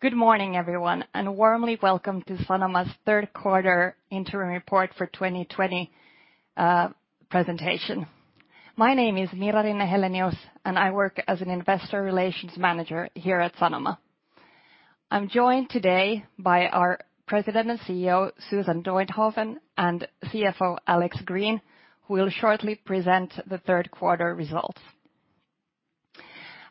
Good morning, everyone, and warmly welcome to Sanoma's Third Quarter interim report for 2020 presentation. My name is Mira Rinne-Helenius, and I work as an Investor Relations Manager here at Sanoma. I'm joined today by our President and Chief Executive Officer, Susan Duinhoven, and Chief Financial Officer, Alex Green, who will shortly present the third quarter results.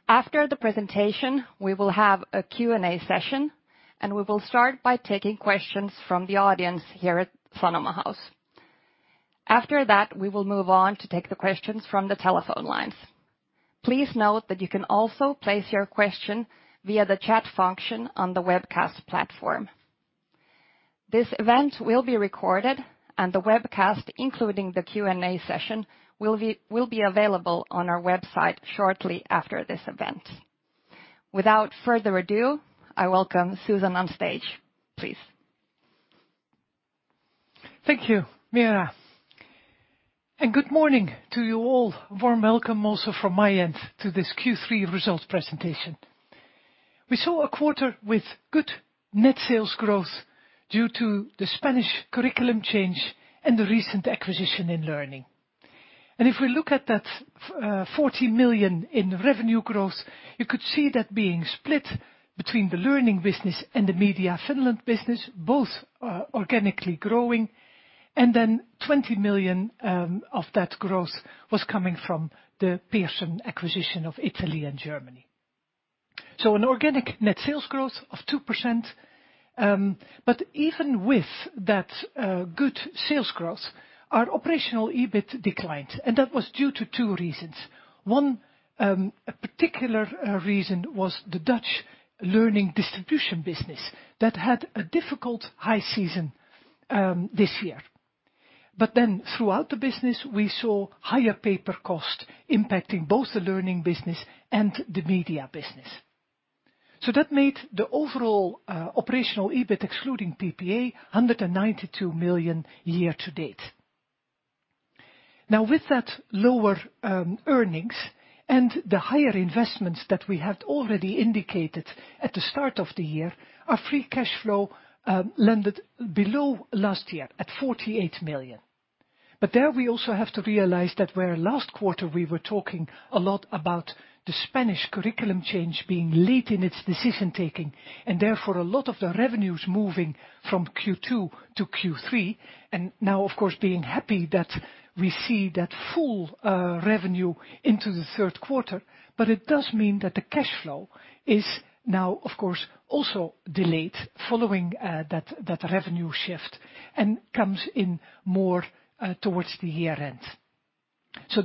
After the presentation, we will have a Q&A session, and we will start by taking questions from the audience here at Sanoma House. After that, we will move on to take the questions from the telephone lines. Please note that you can also place your question via the chat function on the webcast platform. This event will be recorded and the webcast, including the Q&A session, will be available on our website shortly after this event. Without further ado, I welcome Susan on stage, please. Thank you, Mira. Good morning to you all. Warm welcome also from my end to this Q3 results presentation. We saw a quarter with good net sales growth due to the Spanish curriculum change and the recent acquisition in learning. If we look at that 40 million in revenue growth, you could see that being split between the learning business and the Sanoma Media Finland business, both organically growing. Then 20 million of that growth was coming from the Pearson acquisition in Italy and Germany. An organic net sales growth of 2%. But even with that good sales growth, our operational EBITDA declined, and that was due to two reasons. One, a particular reason was the Dutch learning distribution business that had a difficult high season this year. Throughout the business, we saw higher paper cost impacting both the learning business and the media business. That made the overall operational EBITDA excluding PPA 192 million year to date. Now, with that lower earnings and the higher investments that we had already indicated at the start of the year our free cash flow landed below last year at 48 million. There we also have to realize that where last quarter we were talking a lot about the Spanish curriculum change being late in its decision-taking, and therefore a lot of the revenues moving from Q2 to Q3. Now, of course, being happy that we see that full revenue into the third quarter, but it does mean that the cash flow is now of course also delayed following that revenue shift and comes in more towards the year end.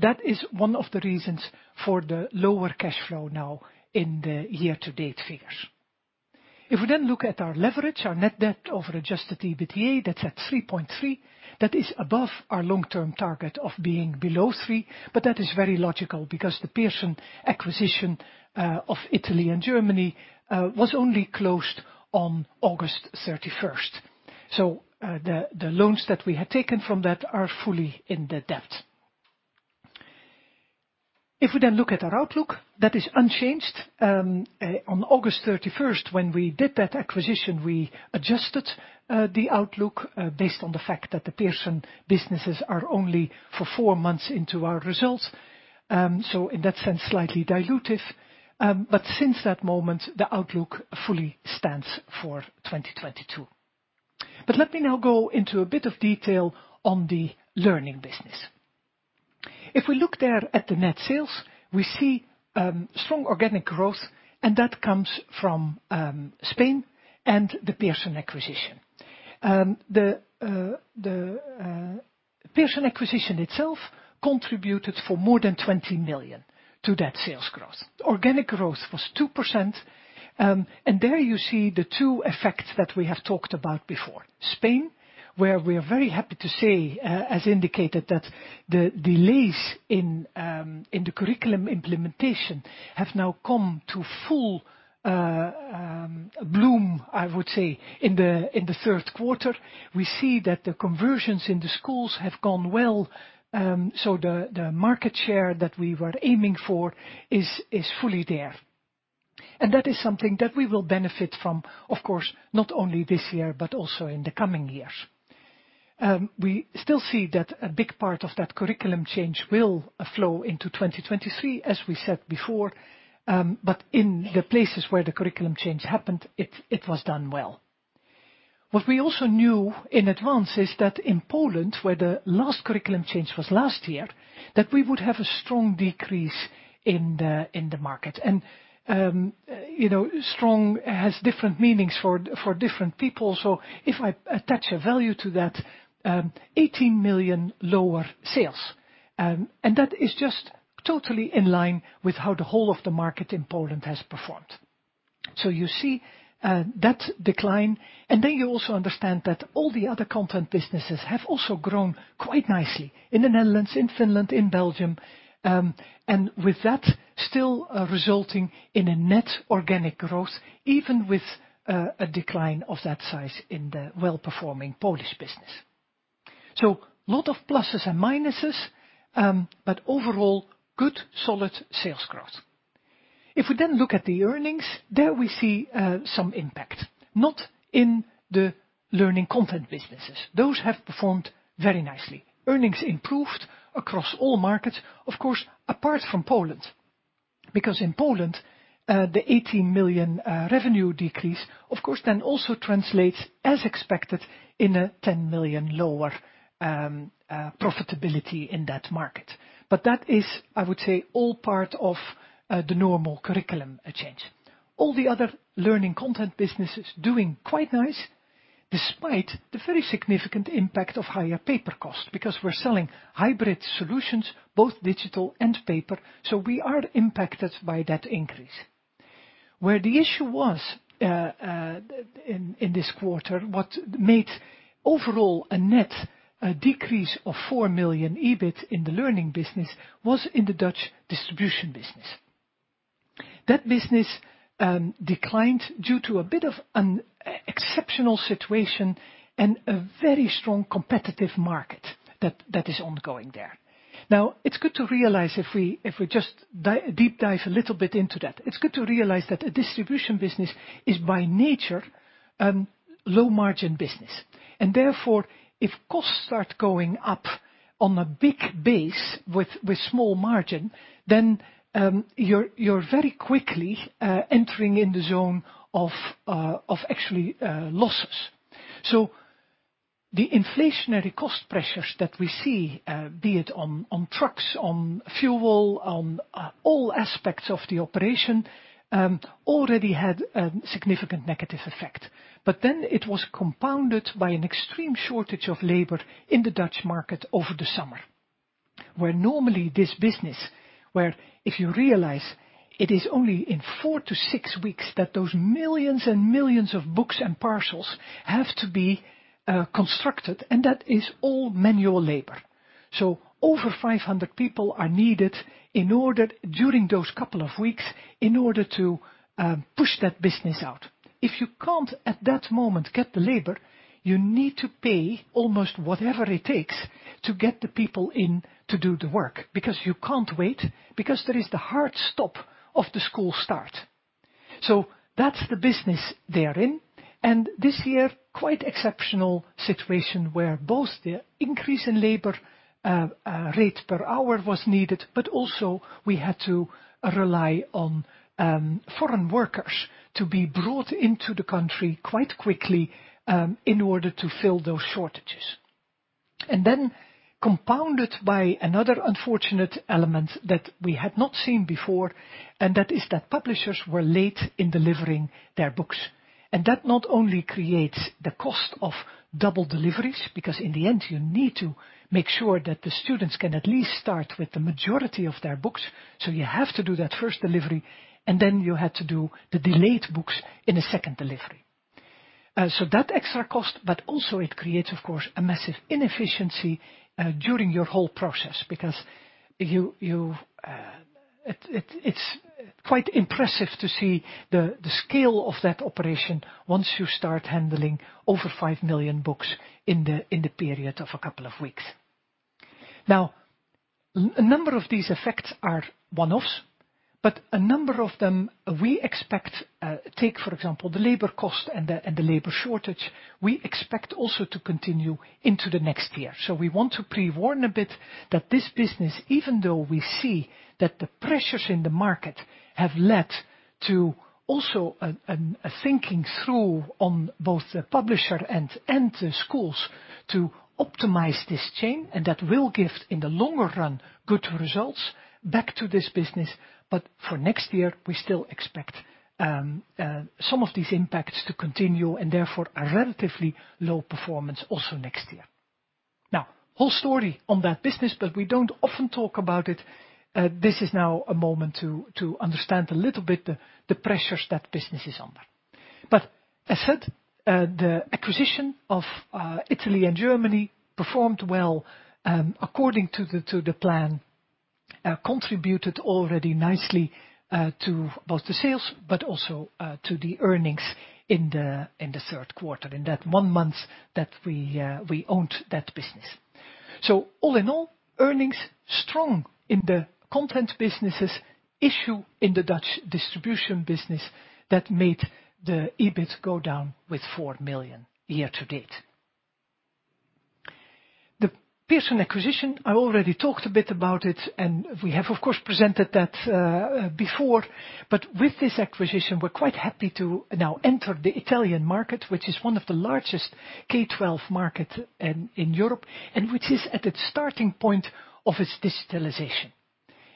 That is one of the reasons for the lower cash flow now in the year-to-date figures. If we then look at our leverage, our net debt over adjusted EBITDA, that's at 3.3. That is above our long-term target of being below three but that is very logical because the Pearson acquisition of Italy and Germany was only closed on August 31. The loans that we had taken from that are fully in the debt. If we then look at our outlook, that is unchanged. On August 31st, when we did that acquisition we adjusted the outlook based on the fact that the Pearson businesses are only for four months into our results. In that sense slightly dilutive. Since that moment, the outlook fully stands for 2022. Let me now go into a bit of detail on the learning business. If we look there at the net sales, we see strong organic growth, and that comes from Spain and the Pearson acquisition. The Pearson acquisition itself contributed for more than 20 million to that sales growth. Organic growth was 2%. There you see the two effects that we have talked about before. Spain, where we are very happy to say as indicated that the delays in the curriculum implementation have now come to full bloom, I would say in the third quarter. We see that the conversions in the schools have gone well so the market share that we were aiming for is fully there. That is something that we will benefit from of course not only this year but also in the coming years. We still see that a big part of that curriculum change will flow into 2023, as we said before. In the places where the curriculum change happened, it was done well. What we also knew in advance is that in Poland, where the last curriculum change was last year that we would have a strong decrease in the market. You know, strong has different meanings for different people. If I attach a value to that, 18 million lower sales, and that is just totally in line with how the whole of the market in Poland has performed. You see that decline, and then you also understand that all the other content businesses have also grown quite nicely in the Netherlands, in Finland, in Belgium, and with that still resulting in a net organic growth, even with a decline of that size in the well-performing Polish business. Lot of pluses and minuses, but overall, good solid sales growth. If we look at the earnings, there we see some impact, not in the learning content businesses. Those have performed very nicely. Earnings improved across all markets. Of course, apart from Poland, because in Poland, the 18 million revenue decrease, of course, then also translates as expected in a 10 million lower profitability in that market. That is, I would say all part of the normal curriculum change. All the other learning content businesses doing quite nice despite the very significant impact of higher paper costs. Because we're selling hybrid solutions both digital and paper, so we are impacted by that increase. Where the issue was in this quarter what made overall a net decrease of 4 million EBITDA in the learning business was in the Dutch distribution business. That business declined due to a bit of an exceptional situation and a very strong competitive market that is ongoing there. Now, it's good to realize if we just deep dive a little bit into that. It's good to realize that a distribution business is by nature a low margin business. Therefore, if costs start going up on a big base with small margin, then you're very quickly entering in the zone of actually losses. The inflationary cost pressures that we see, be it on trucks, on fuel, on all aspects of the operation, already had a significant negative effect. Then it was compounded by an extreme shortage of labor in the Dutch market over the summer. Normally this business, if you realize it is only in four to six weeks that those millions and millions of books and parcels have to be constructed, and that is all manual labor. Over 500 people are needed in order, during those couple of weeks, in order to push that business out. If you can't at that moment get the labor, you need to pay almost whatever it takes to get the people in to do the work, because you can't wait because there is the hard stop of the school start. That's the business they are in, and this year, quite exceptional situation where both the increase in labor rate per hour was needed, but also we had to rely on foreign workers to be brought into the country quite quickly, in order to fill those shortages. Then compounded by another unfortunate element that we had not seen before, and that is that publishers were late in delivering their books. That not only creates the cost of double deliveries, because in the end you need to make sure that the students can at least start with the majority of their books, so you have to do that first delivery, and then you had to do the delayed books in a second delivery. So that extra cost, but also it creates, of course, a massive inefficiency during your whole process. It's quite impressive to see the scale of that operation once you start handling over 5 million books in the period of a couple of weeks. Now, a number of these effects are one-offs, but a number of them we expect, for example, the labor cost and the labor shortage, we expect also to continue into the next year. We want to pre-warn a bit that this business, even though we see that the pressures in the market have led to also a thinking through on both the publisher and the schools to optimize this chain, and that will give, in the longer run, good results back to this business. For next year, we still expect some of these impacts to continue, and therefore a relatively low performance also next year. Now, whole story on that business, but we don't often talk about it. This is now a moment to understand a little bit the pressures that business is under. As I said, the acquisition of Italy and Germany performed well, according to the plan, contributed already nicely to both the sales but also to the earnings in the third quarter, in that one month that we owned that business. All in all, earnings strong in the content businesses, issue in the Dutch distribution business that made the EBITDA go down with 4 million year to date. The Pearson acquisition, I already talked a bit about it, and we have, of course presented that before. With this acquisition, we're quite happy to now enter the Italian market, which is one of the largest K-12 market in Europe, and which is at its starting point of its digitalization.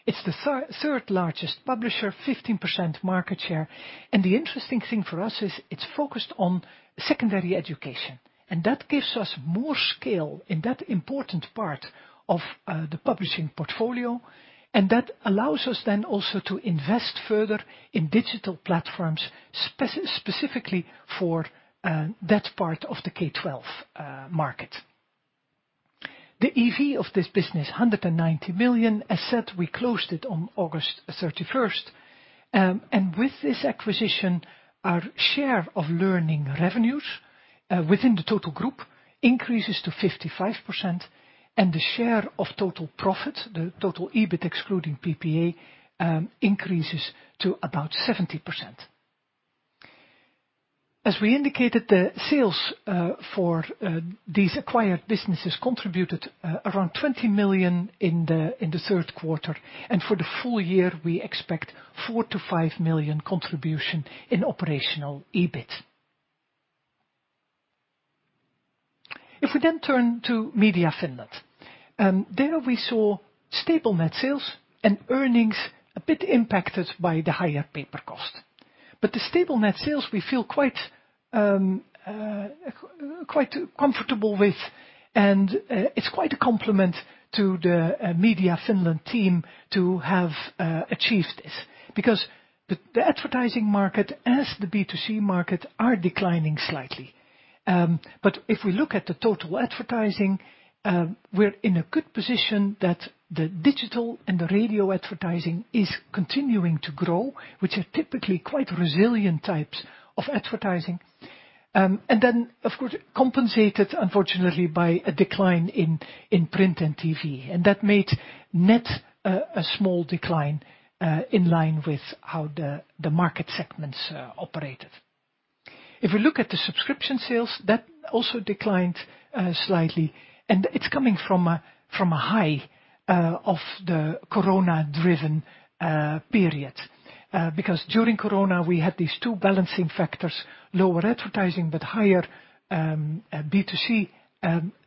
It's the third-largest publisher, 15% market share. The interesting thing for us is it's focused on secondary education, and that gives us more scale in that important part of the publishing portfolio, and that allows us then also to invest further in digital platforms specifically for that part of the K-12 market. The EV of this business, 190 million. As said, we closed it on August 31st. With this acquisition, our share of learning revenues within the total group increases to 55%, and the share of total profit, the total EBITDA excluding PPA, increases to about 70%. As we indicated the sales for these acquired businesses contributed around 20 million in the third quarter. For the full year we expect 4 million-5 million contribution in operational EBITDA. If we then turn to Media Finland, there we saw stable net sales and earnings a bit impacted by the higher paper cost. The stable net sales we feel quite comfortable with, and it's quite a compliment to the Media Finland team to have achieved this. Because the advertising market as the B2C market, are declining slightly. If we look at the total advertising, we're in a good position that the digital and the radio advertising is continuing to grow, which are typically quite resilient types of advertising. Of course, compensated unfortunately by a decline in print and TV. That made net a small decline in line with how the market segments operated. If we look at the subscription sales, that also declined slightly, and it's coming from a high of the Corona-driven period. Because during Corona we had these two balancing factors, lower advertising but higher B2C.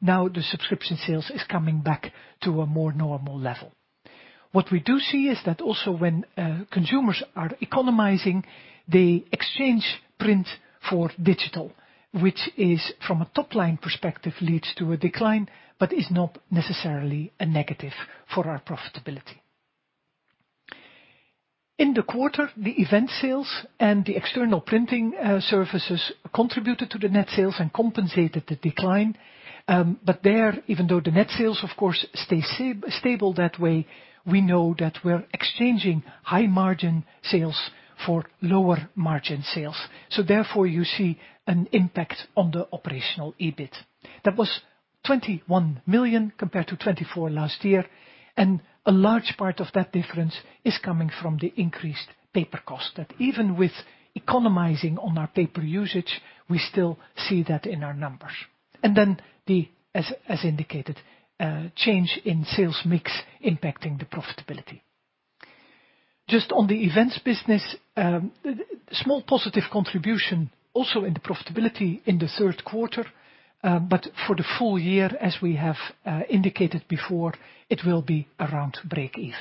Now the subscription sales is coming back to a more normal level. What we do see is that also when consumers are economizing, they exchange print for digital, which is from a top-line perspective, leads to a decline, but is not necessarily a negative for our profitability. In the quarter, the event sales and the external printing services contributed to the net sales and compensated the decline. There, even though the net sales of course stay stable that way, we know that we're exchanging high-margin sales for lower-margin sales. Therefore you see an impact on the operational EBITDA. That was 21 million compared to 24 million last year, and a large part of that difference is coming from the increased paper cost, that even with economizing on our paper usage, we still see that in our numbers. As indicated, change in sales mix impacting the profitability. Just on the events business, small positive contribution also in the profitability in the third quarter. For the full year, as we have indicated before, it will be around breakeven.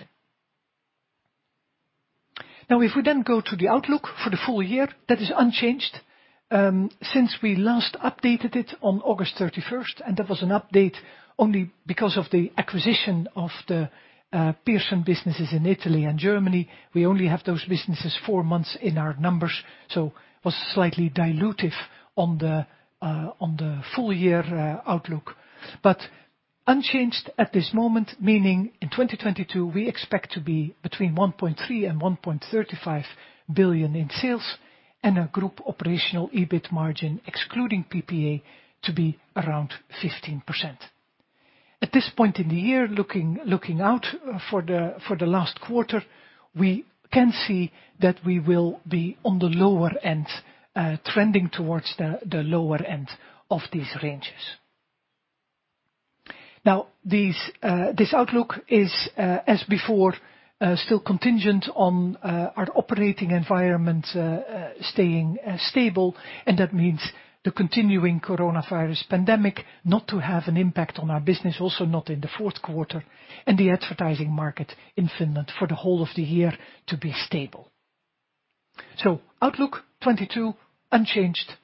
Now if we go to the outlook for the full year, that is unchanged, since we last updated it on August 31st, and that was an update only because of the acquisition of the Pearson businesses in Italy and Germany. We only have those businesses four months in our numbers, so was slightly dilutive on the full year outlook. Unchanged at this moment, meaning in 2022 we expect to be between 1.3 billion and 1.35 billion in sales, and our Group operational EBITDA margin, excluding PPA, to be around 15%. At this point in the year, looking out for the last quarter, we can see that we will be on the lower end, trending towards the lower end of these ranges. This outlook is as before still contingent on our operating environment staying stable, and that means the continuing coronavirus pandemic not to have an impact on our business, also not in the fourth quarter, and the advertising market in Finland for the whole of the year to be stable. Outlook 2022 unchanged.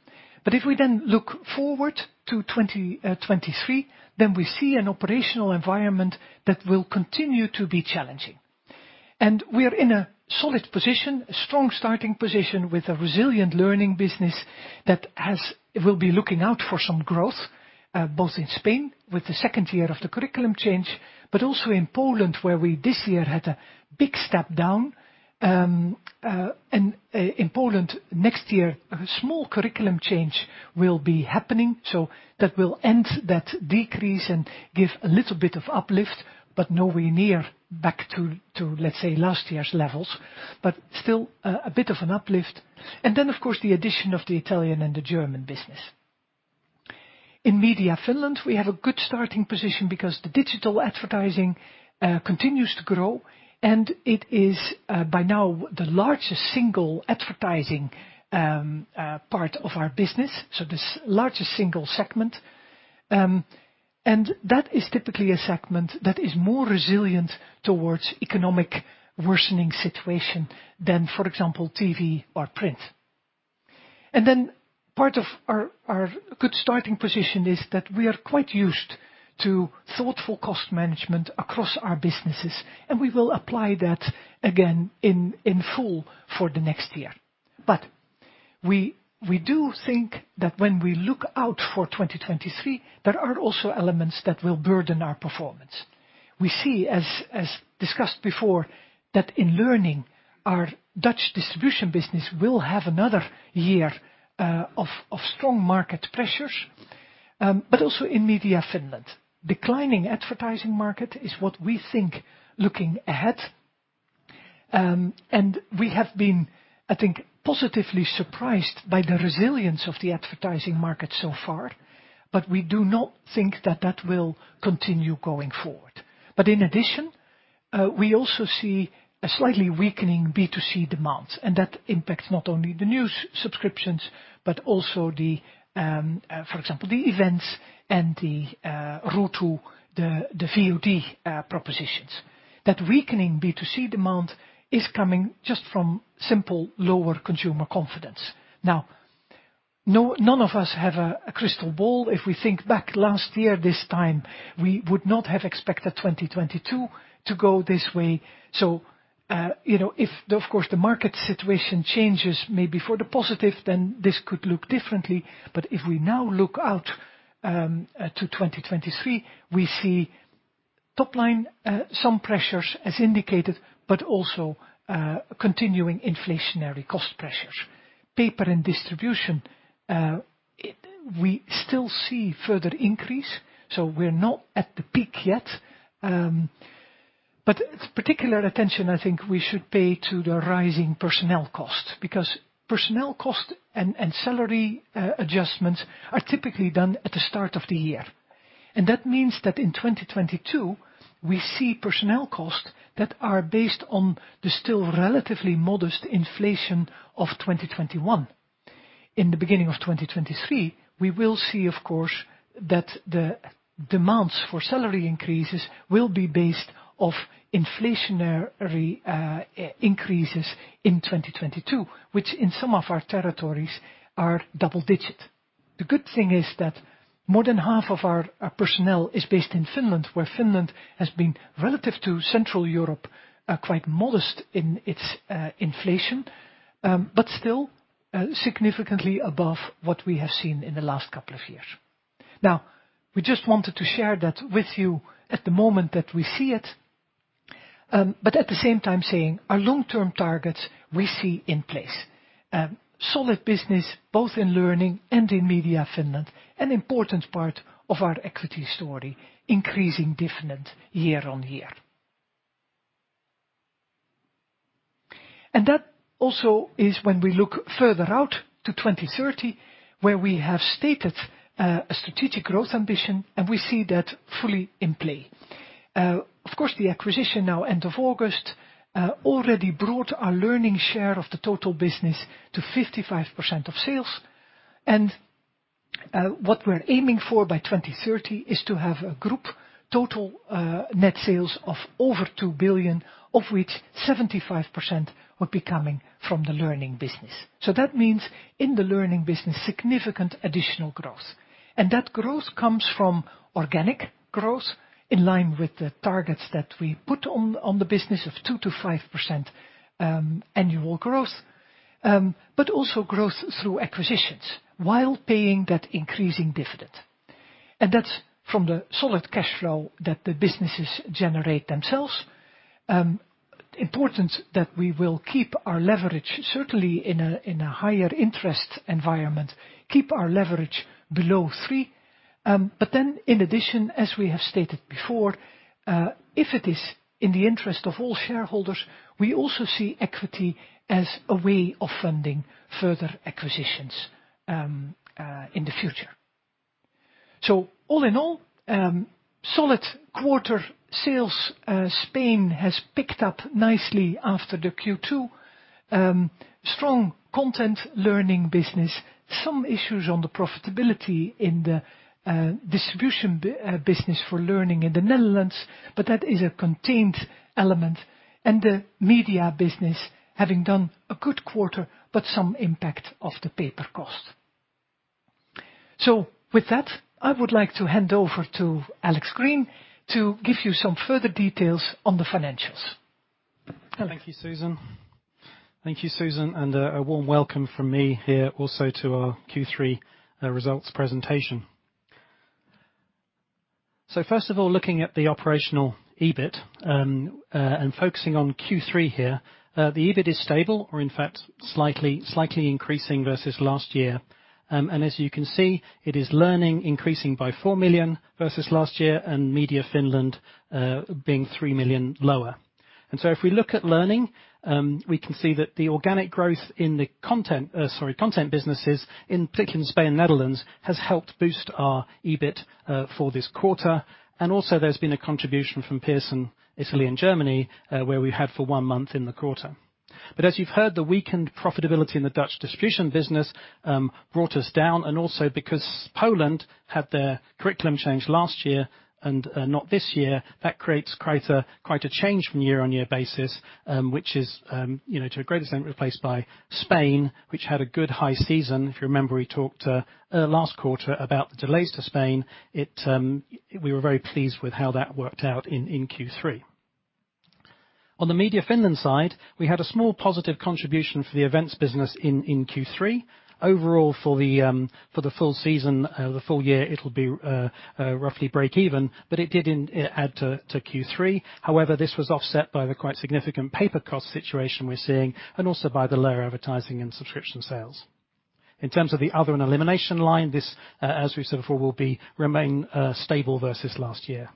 If we then look forward to 2023, we see an operational environment that will continue to be challenging. We're in a solid position, a strong starting position with a resilient learning business that will be looking out for some growth both in Spain with the second year of the curriculum change, but also in Poland, where we this year had a big step down. In Poland next year a small curriculum change will be happening, so that will end that decrease and give a little bit of uplift, but nowhere near back to let's say last year's levels. Still, a bit of an uplift. Then, of course, the addition of the Italian and the German business. In Media Finland we have a good starting position because the digital advertising continues to grow, and it is, by now the largest single advertising part of our business, so the largest single segment. That is typically a segment that is more resilient towards economic worsening situation than for example TV or print. Part of our good starting position is that we are quite used to thoughtful cost management across our businesses, and we will apply that again in full for the next year. We do think that when we look forward to 2023, there are also elements that will burden our performance. We see, as discussed before, that in learning, our Dutch distribution business will have another year of strong market pressures, but also in Media Finland, declining advertising market is what we think looking ahead. We have been, I think, positively surprised by the resilience of the advertising market so far, but we do not think that will continue going forward. In addition, we also see a slightly weakening B2C demand, and that impacts not only the news subscriptions, but also, for example, the events and the route to the VOD propositions. That weakening B2C demand is coming just from simple lower consumer confidence. Now, none of us have a crystal ball. If we think back last year this time, we would not have expected 2022 to go this way. You know, if, of course, the market situation changes, maybe for the positive, then this could look differently. If we now look out to 2023, we see top line some pressures as indicated, but also continuing inflationary cost pressures. Paper and distribution, we still see further increase, so we're not at the peak yet. Particular attention I think we should pay to the rising personnel costs, because personnel costs and salary adjustments are typically done at the start of the year. That means that in 2022, we see personnel costs that are based on the still relatively modest inflation of 2021. In the beginning of 2023, we will see, of course, that the demands for salary increases will be based off inflationary increases in 2022, which in some of our territories are double-digit. The good thing is that more than half of our personnel is based in Finland, where Finland has been relative to Central Europe quite modest in its inflation, but still significantly above what we have seen in the last couple of years. Now, we just wanted to share that with you at the moment that we see it but at the same time saying our long-term targets we see in place. Solid business, both in Learning and in Media Finland, an important part of our equity story increasing dividend year on year. That also is when we look further out to 2030, where we have stated a strategic growth ambition, and we see that fully in play. Of course, the acquisition now end of August already brought our Learning share of the total business to 55% of sales. What we're aiming for by 2030 is to have a group total net sales of over 2 billion, of which 75% would be coming from the Learning business. That means in the Learning business, significant additional growth. That growth comes from organic growth in line with the targets that we put on the business of 2%-5% annual growth, but also growth through acquisitions while paying that increasing dividend. That's from the solid cash flow that the businesses generate themselves. Important that we will keep our leverage, certainly in a higher interest environment, keep our leverage below three. In addition, as we have stated before, if it is in the interest of all shareholders, we also see equity as a way of funding further acquisitions in the future. All in all, solid quarter sales. Spain has picked up nicely after the Q2. Strong content Learning business, some issues on the profitability in the distribution business for Learning in the Netherlands, but that is a contained element. The Media business having done a good quarter, but some impact of the paper cost. With that, I would like to hand over to Alex Green to give you some further details on the financials. Alex? Thank you, Susan. Thank you Susan, and a warm welcome from me here also to our Q3 results presentation. First of all, looking at the operational EBITDA and focusing on Q3 here, the EBITDA is stable or in fact slightly increasing versus last year. As you can see, it is Learning increasing by 4 million versus last year and Media Finland being 3 million lower. If we look at Learning, we can see that the organic growth in the content businesses in particular in Spain and Netherlands, has helped boost our EBITDA for this quarter. Also there's been a contribution from Pearson, Italy and Germany, where we had for one month in the quarter. As you've heard, the weakened profitability in the Dutch distribution business brought us down, and also because Poland had their curriculum change last year and not this year that creates quite a change from year-on-year basis, which is you know, to a great extent replaced by Spain, which had a good high season. If you remember, we talked last quarter about the delays to Spain. We were very pleased with how that worked out in Q3. On the Sanoma Media Finland side, we had a small positive contribution for the events business in Q3. Overall for the full season, the full year, it'll be roughly break even, but it added to Q3. However, this was offset by the quite significant paper cost situation we're seeing and also by the lower advertising and subscription sales. In terms of the other and elimination line, this, as we've said before, will remain stable versus last year.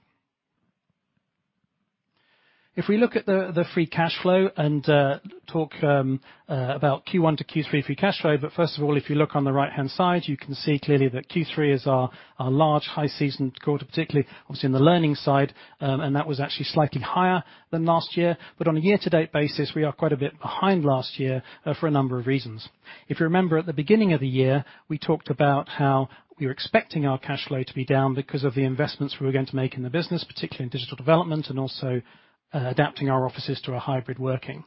If we look at the free cash flow and talk about Q1 to Q3 free cash flow. First of all, if you look on the right-hand side, you can see clearly that Q3 is our large high season quarter, particularly obviously in the learning side, and that was actually slightly higher than last year. On a year to date basis, we are quite a bit behind last year for a number of reasons. If you remember, at the beginning of the year, we talked about how we were expecting our cash flow to be down because of the investments we were going to make in the business, particularly in digital development and also adapting our offices to a hybrid working.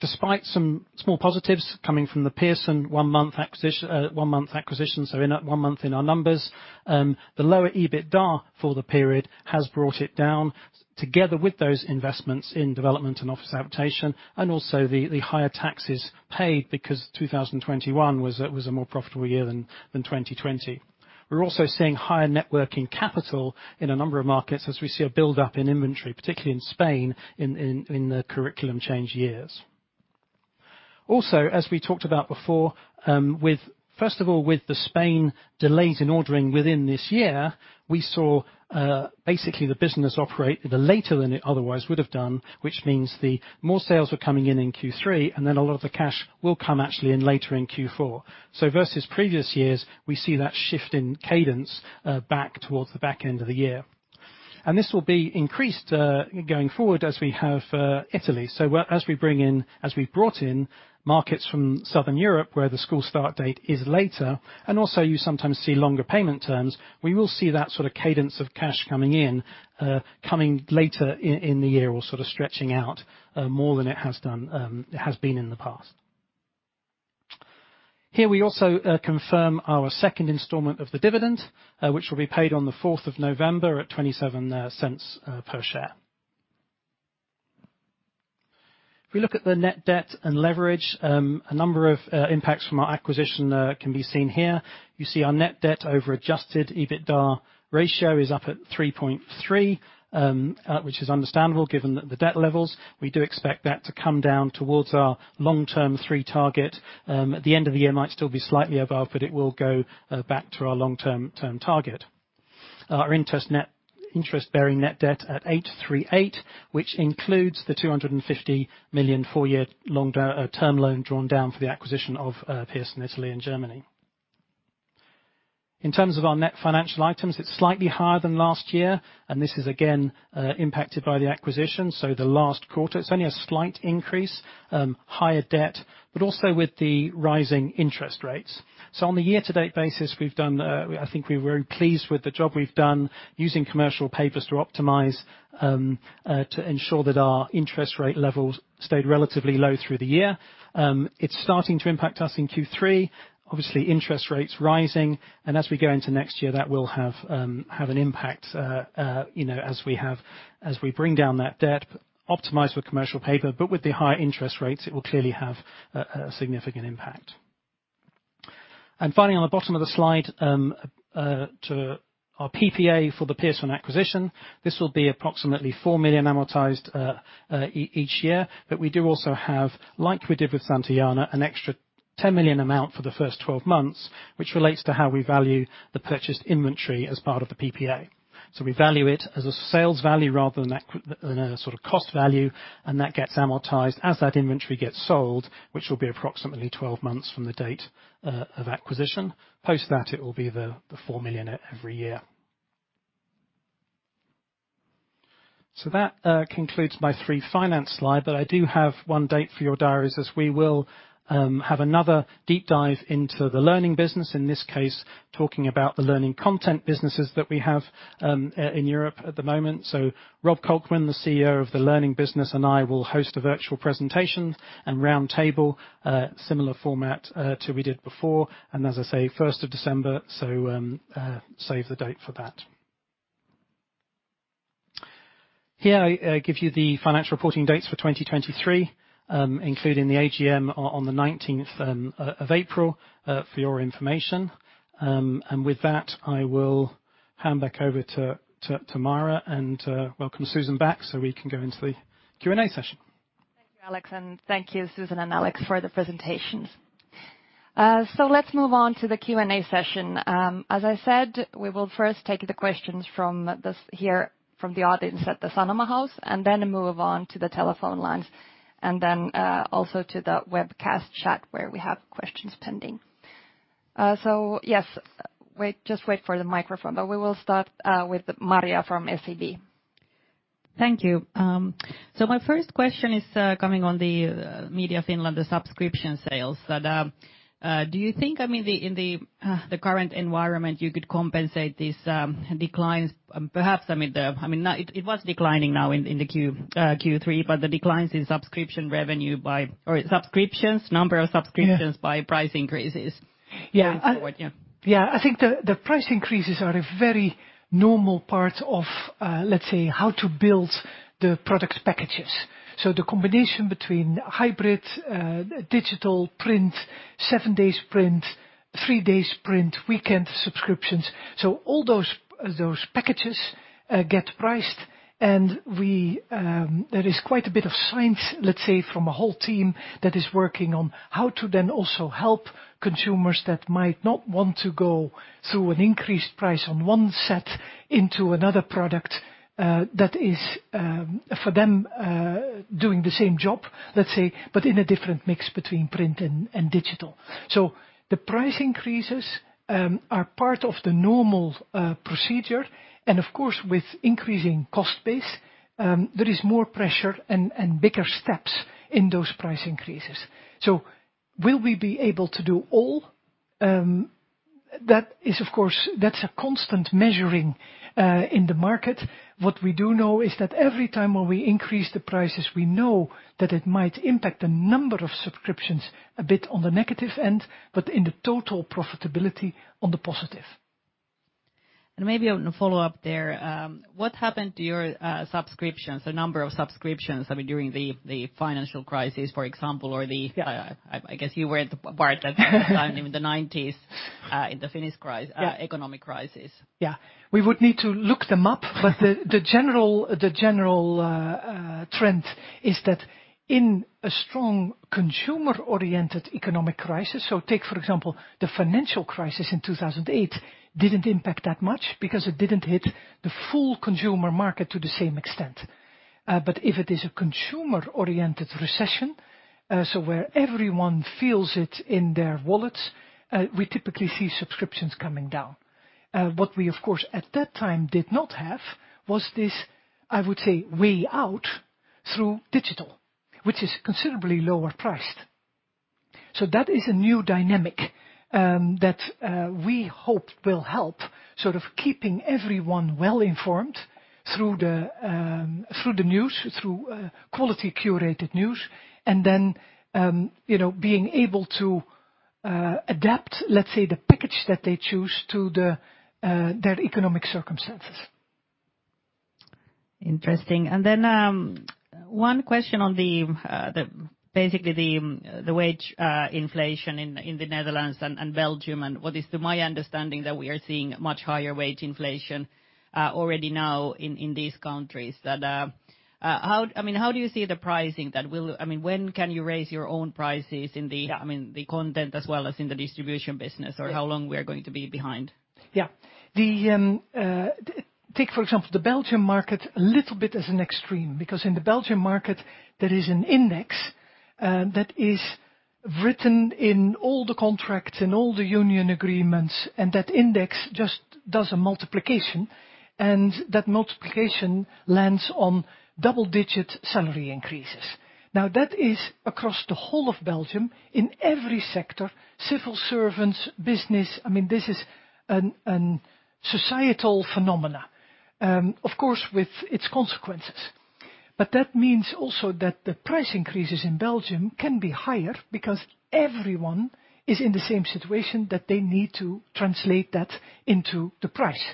Despite some small positives coming from the Pearson one-month acquisition, so in one month in our numbers, the lower EBITDA for the period has brought it down together with those investments in development and office adaptation and also the higher taxes paid because 2021 was a more profitable year than 2020. We're also seeing higher net working capital in a number of markets as we see a buildup in inventory, particularly in Spain in the curriculum change years. Also, as we talked about before with. First of all, with the Spanish delays in ordering within this year, we saw basically the business operate later than it otherwise would have done, which means that more sales were coming in in Q3, and then a lot of the cash will come actually later in Q4. Versus previous years, we see that shift in cadence back towards the back end of the year. This will be increased going forward as we have Italy. As we've brought in markets from Southern Europe where the school start date is later, and also you sometimes see longer payment terms, we will see that sort of cadence of cash coming in later in the year or sort of stretching out more than it has been in the past. Here, we also confirm our second installment of the dividend, which will be paid on the fourth of November at 0.27 per share. If we look at the net debt and leverage, a number of impacts from our acquisition can be seen here. You see our net debt over-adjusted EBITDA ratio is up at 3.3, which is understandable given the debt levels. We do expect that to come down towards our long-term 3 target. At the end of the year, it might still be slightly above, but it will go back to our long-term target. Our interest-bearing net debt at 838 million, which includes the 250 million four-years long-term loan drawn down for the acquisition of Pearson Italy and Germany. In terms of our net financial items, it's slightly higher than last year, and this is again impacted by the acquisition, so the last quarter. It's only a slight increase, higher debt, but also with the rising interest rates. On the year to date basis, we've done, I think we're very pleased with the job we've done using commercial papers to optimize, to ensure that our interest rate levels stayed relatively low through the year. It's starting to impact us in Q3. Obviously, interest rates rising, and as we go into next year, that will have an impact, you know, as we have, as we bring down that debt, optimize with commercial paper, but with the higher interest rates, it will clearly have a significant impact. Finally, on the bottom of the slide, to our PPA for the Pearson acquisition. This will be approximately 4 million amortized each year, but we do also have, like we did with Santillana, an extra 10 million amount for the first 12 months, which relates to how we value the purchased inventory as part of the PPA. We value it as a sales value rather than than a sort of cost value, and that gets amortized as that inventory gets sold, which will be approximately 12 months from the date of acquisition. Post that, it will be the four million every year. That concludes my three finance slide, but I do have one date for your diaries, as we will have another deep dive into the learning business, in this case, talking about the learning content businesses that we have in Europe at the moment. Rob Kolkman, the Chief Executive Officer of the learning business, and I will host a virtual presentation and roundtable, similar format to we did before. As I say, first of December. Save the date for that. Here, I give you the financial reporting dates for 2023, including the AGM on the nineteenth of April, for your information. With that, I will hand back over to Mira Rinne-Helenius, and welcome Susan Duinhoven back so we can go into the Q&A session. Thank you, Alex, and thank you, Susan and Alex, for the presentations. Let's move on to the Q&A session. As I said, we will first take the questions from this here, from the audience at the Sanoma House, and then move on to the telephone lines, and then also to the webcast chat, where we have questions pending. Yes, wait for the microphone. We will start with Maria from SEB. Thank you. My first question is coming on the Sanoma Media Finland, the subscription sales. Do you think, I mean, in the current environment, you could compensate these declines? Perhaps, I mean, now it was declining in Q3, but the declines in subscription revenue by or subscriptions, number of subscriptions. Yeah. By price increases going forward. Yeah. Yeah. I think the price increases are a very normal part of, let's say, how to build the product packages. The combination between hybrid, digital print, seven days print. Three days print, weekend subscriptions. All those packages get priced and we there is quite a bit of science, let's say, from a whole team that is working on how to then also help consumers that might not want to go through an increased price on one set into another product that is for them doing the same job, let's say, but in a different mix between print and digital. The price increases are part of the normal procedure. Of course, with increasing cost base, there is more pressure and bigger steps in those price increases. Will we be able to do all? That is, of course, that's a constant measuring in the market. What we do know is that every time when we increase the prices, we know that it might impact a number of subscriptions a bit on the negative end, but in the total profitability on the positive. Maybe on a follow-up there, what happened to your subscriptions, the number of subscriptions, I mean, during the financial crisis, for example, or the- Yeah. I guess you weren't part at that time in the nineties in the Finnish crisis. Yeah. Economic crisis. Yeah. We would need to look them up. The general trend is that in a strong consumer-oriented economic crisis, so take, for example, the financial crisis in 2008, didn't impact that much because it didn't hit the full consumer market to the same extent. If it is a consumer-oriented recession, so where everyone feels it in their wallets, we typically see subscriptions coming down. What we, of course, at that time did not have was this, I would say, way out through digital, which is considerably lower priced. That is a new dynamic that we hope will help sort of keeping everyone well-informed through the news, through quality curated news, and then you know being able to adapt, let's say, the package that they choose to their economic circumstances. Interesting. One question on basically the wage inflation in the Netherlands and Belgium, and what is to my understanding that we are seeing much higher wage inflation already now in these countries. That I mean, how do you see the pricing that will I mean, when can you raise your own prices in the. Yeah. I mean, the content as well as in the distribution business. Yeah. How long we are going to be behind? Yeah. Take, for example, the Belgian market a little bit as an extreme, because in the Belgian market, there is an index that is written in all the contracts and all the union agreements, and that index just does a multiplication, and that multiplication lands on double-digit salary increases. Now, that is across the whole of Belgium in every sector, civil servants, business. I mean, this is a societal phenomena, of course, with its consequences. That means also that the price increases in Belgium can be higher because everyone is in the same situation that they need to translate that into the price.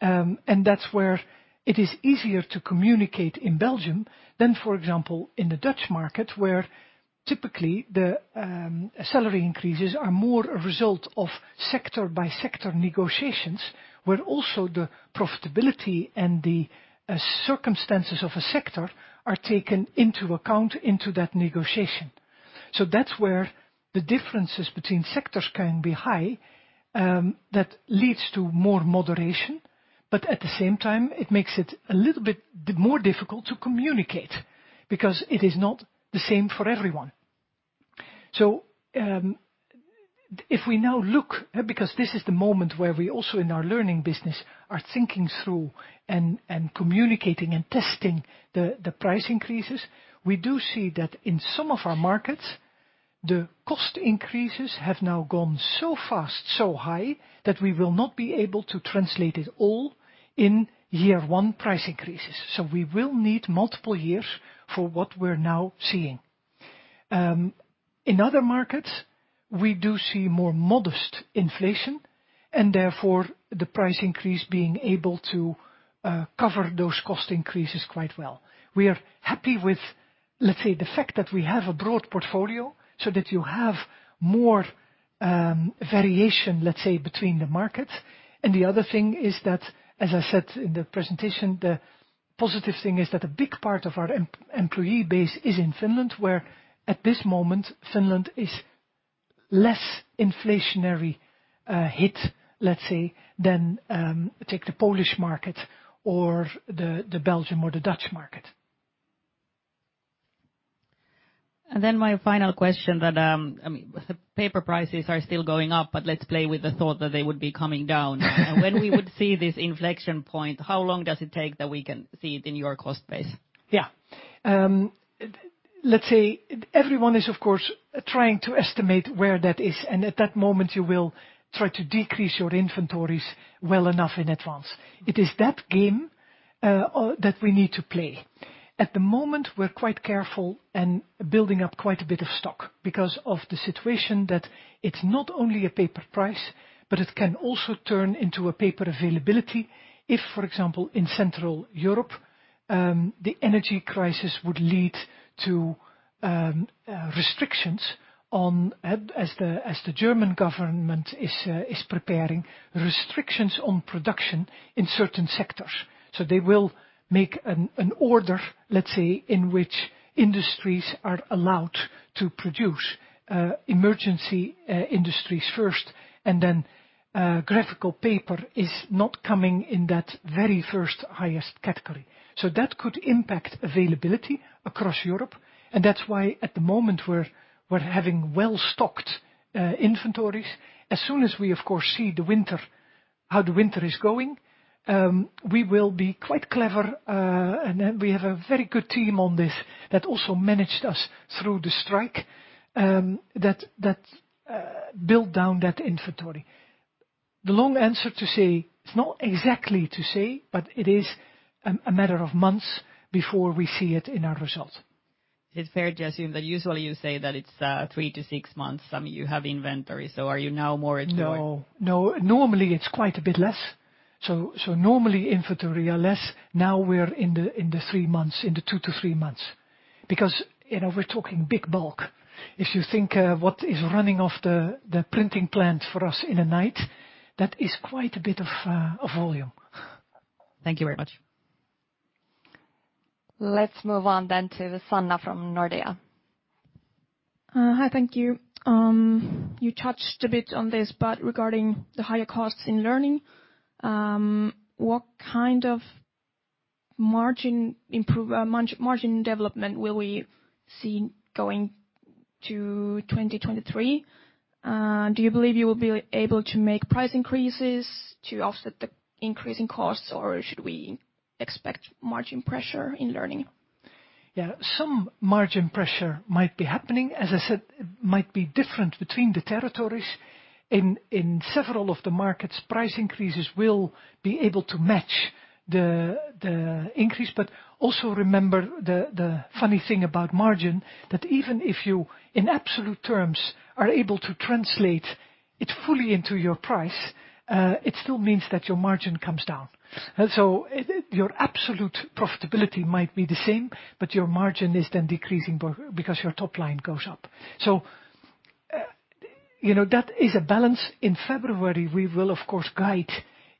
That's where it is easier to communicate in Belgium than, for example, in the Dutch market, where typically the salary increases are more a result of sector by sector negotiations, where also the profitability and the circumstances of a sector are taken into account into that negotiation. That's where the differences between sectors can be high, that leads to more moderation. At the same time, it makes it a little bit more difficult to communicate because it is not the same for everyone. If we now look, because this is the moment where we also in our learning business are thinking through and communicating and testing the price increases we do see that in some of our markets, the cost increases have now gone so fast so high that we will not be able to translate it all in year one price increases. We will need multiple years for what we're now seeing. In other markets we do see more modest inflation, and therefore the price increase being able to cover those cost increases quite well. We are happy with, let's say the fact that we have a broad portfolio so that you have more variation, let's say, between the markets. The other thing is that, as I said in the presentation, the positive thing is that a big part of our employee base is in Finland, where at this moment, Finland is less inflationary hit let's say than take the Polish market or the Belgian or the Dutch market. My final question that, I mean paper prices are still going up, but let's play with the thought that they would be coming down. When we would see this inflection point how long does it take that we can see it in your cost base? Yeah. Let's say everyone is, of course, trying to estimate where that is, and at that moment you will try to decrease your inventories well enough in advance. It is that game that we need to play. At the moment, we're quite careful and building up quite a bit of stock because of the situation that it's not only a paper price. But it can also turn into a paper availability if for example, in Central Europe, the energy crisis would lead to restrictions on production in certain sectors. As the German government is preparing restrictions on production in certain sectors. They will make an order, let's say, in which industries are allowed to produce emergency industries first, and then graphical paper is not coming in that very first highest category. That could impact availability across Europe, and that's why at the moment we're having well stocked inventories. As soon as we, of course see the winter how the winter is going we will be quite clever, and we have a very good team on this that also managed us through the strike, that built down that inventory. The long answer to say, it's not exactly to say, but it is a matter of months before we see it in our results. It's fair to assume that usually you say that it's three to six months you have inventory. Are you now more. No. Normally, it's quite a bit less. Normally, inventory are less. Now we're in the two to three months because you know we're talking big bulk. If you think what is running off the printing plant for us in a night, that is quite a bit of volume. Thank you very much. Let's move on to Sanna from Nordea. Hi. Thank you. You touched a bit on this, but regarding the higher costs in learning, what kind of margin development will we see going to 2023? Do you believe you will be able to make price increases to offset the increasing costs, or should we expect margin pressure in learning? Yeah. Some margin pressure might be happening. As I said, it might be different between the territories. In several of the markets, price increases will be able to match the increase. Also remember the funny thing about margin, that even if you in absolute terms are able to translate it fully into your price, it still means that your margin comes down. Your absolute profitability might be the same, but your margin is then decreasing because your top line goes up. You know that is a balance. In February, we will of course guide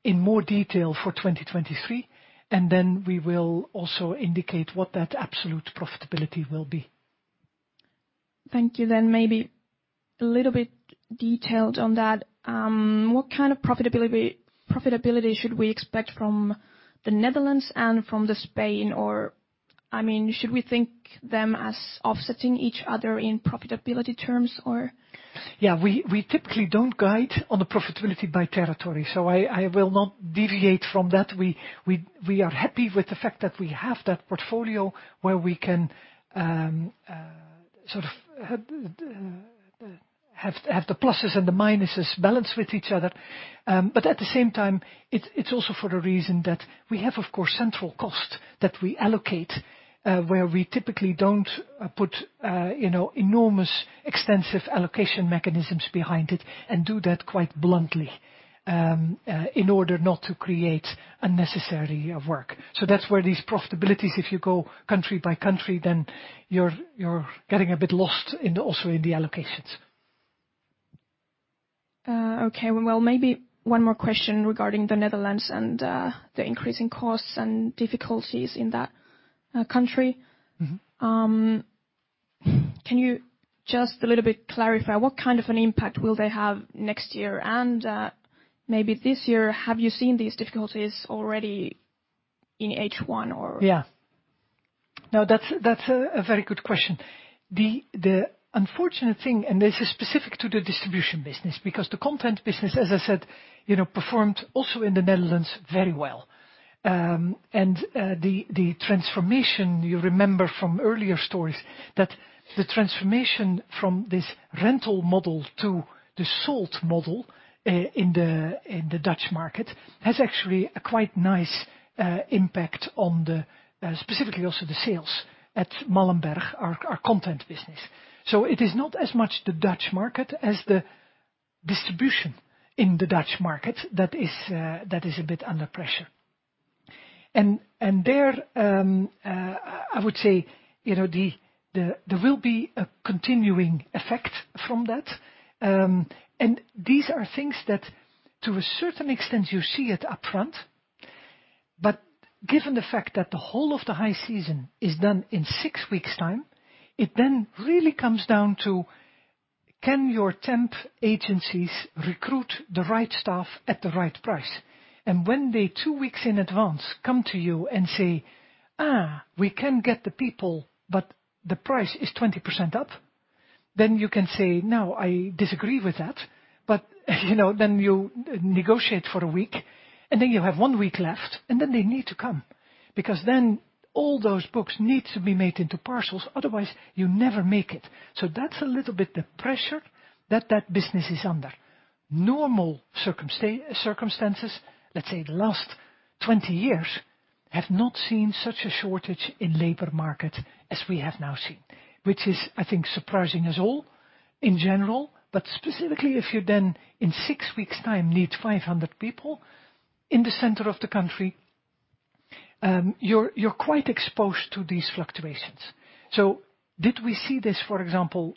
in more detail for 2023, and then we will also indicate what that absolute profitability will be. Thank you. Maybe a little bit detailed on that what kind of profitability should we expect from the Netherlands and from Spain? Or, I mean should we think them as offsetting each other in profitability terms or? Yeah. We typically don't guide on the profitability by territory, so I will not deviate from that. We are happy with the fact that we have that portfolio where we can sort of have the pluses and the minuses balance with each other. But at the same time, it's also for the reason that we have, of course central costs that we allocate, where we typically don't put you know, enormous extensive allocation mechanisms behind it and do that quite bluntly, in order not to create unnecessary work. That's where these profitabilities, if you go country by country then you're getting a bit lost in also in the allocations. Okay. Well, maybe one more question regarding the Netherlands and the increasing costs and difficulties in that country. Mm-hmm. Can you just a little bit clarify what kind of an impact will they have next year and maybe this year, have you seen these difficulties already in H1 or? Yeah, no, that's a very good question. The unfortunate thing, and this is specific to the distribution business, because the content business, as I said you know performed also in the Netherlands very well. The transformation, you remember from earlier stories that the transformation from this rental model to the sold model in the Dutch market has actually a quite nice impact on specifically also the sales at Malmberg, our content business. It is not as much the Dutch market as the distribution in the Dutch market that is a bit under pressure. I would say you know there will be a continuing effect from that. These are things that to a certain extent you see it upfront, but given the fact that the whole of the high season is done in six weeks time, it then really comes down to can your temp agencies recruit the right staff at the right price? When they two weeks in advance come to you and say, "We can get the people, but the price is 20% up," then you can say, "No, I disagree with that." You know, then you negotiate for a week, and then you have one week left, and then they need to come because then all those books need to be made into parcels, otherwise you never make it. That's a little bit the pressure that that business is under. Normal circumstances, let's say the last 20 years have not seen such a shortage in labor market as we have now seen, which is, I think, surprising us all in general. Specifically, if you then in six weeks time need 500 people in the center of the country, you're quite exposed to these fluctuations. Did we see this, for example,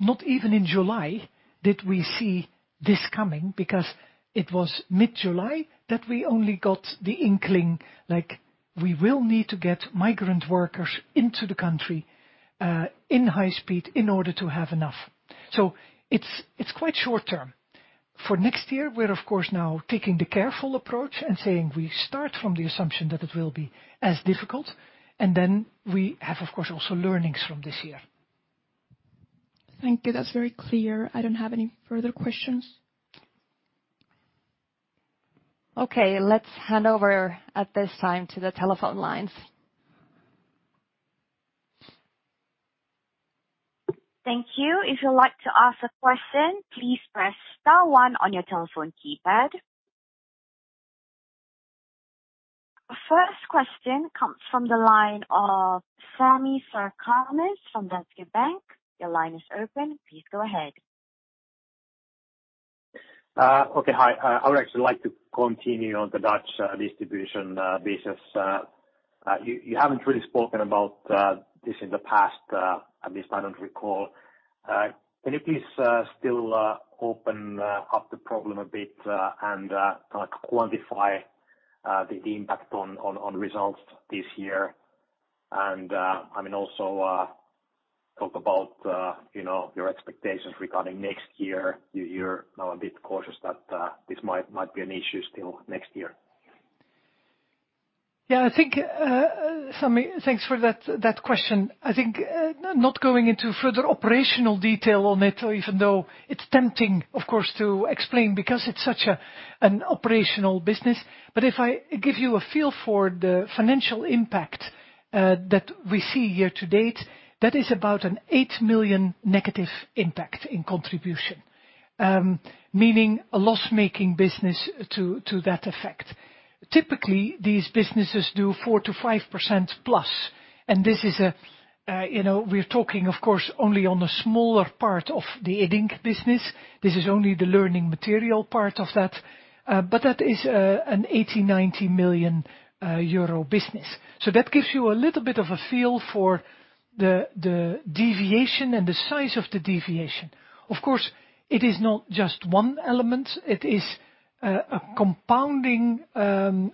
not even in July, did we see this coming? Because it was mid-July that we only got the inkling. Like, we will need to get migrant workers into the country in high speed in order to have enough. It's quite short-term. For next year, we're of course now taking the careful approach and saying we start from the assumption that it will be as difficult, and then we have of course also learnings from this year. Thank you. That's very clear. I don't have any further questions. Okay. Let's hand over at this time to the telephone lines. Thank you. If you'd like to ask a question, please press star one on your telephone keypad. First question comes from the line of Sami Sarkamies from Danske Bank. Your line is open. Please go ahead. Okay. Hi. I would actually like to continue on the Dutch distribution business. You haven't really spoken about this in the past, at least I don't recall. Can you please still open up the problem a bit, and kind of quantify the impact on results this year? I mean, also talk about, you know, your expectations regarding next year. You're now a bit cautious that this might be an issue still next year. Yeah, I think, Sami, thanks for that question. I think not going into further operational detail on it, even though it's tempting, of course, to explain, because it's such an operational business. If I give you a feel for the financial impact that we see year to date, that is about an 8 million negative impact in contribution, meaning a loss-making business to that effect. Typically, these businesses do 4%-5%+, and this is, you know, we're talking of course only on a smaller part of the Iddink business. This is only the learning material part of that, but that is an 80 million-90 million euro business. So that gives you a little bit of a feel for the deviation and the size of the deviation. Of course, it is not just one element. It is a compounding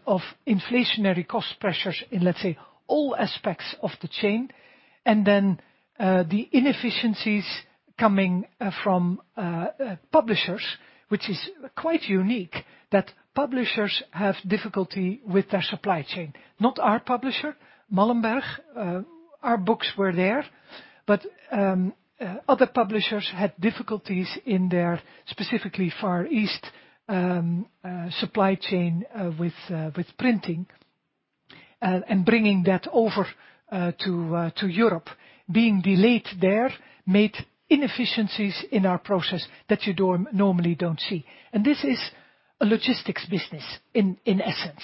of inflationary cost pressures in, let's say, all aspects of the chain. The inefficiencies coming from publishers, which is quite unique, that publishers have difficulty with their supply chain. Not our publisher, Malmberg. Our books were there, but other publishers had difficulties in their specifically Far East supply chain, with printing and bringing that over to Europe. Being delayed there made inefficiencies in our process that you don't normally see. This is a logistics business in essence.